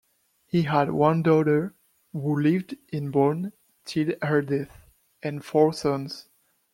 He had one daughter, who lived in Bonn till her death, and four sons.